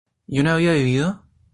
¿yo no había bebido?